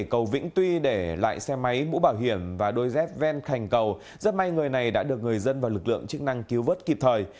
các bảo hiểm và đôi dép ven khành cầu rất may người này đã được người dân và lực lượng chức năng cứu vớt kịp thời